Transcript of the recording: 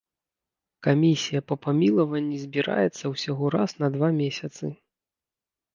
Камісія па памілаванні збіраецца ўсяго раз на два месяцы.